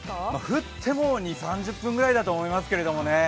降っても２０３０分ぐらいだと思いますけどね。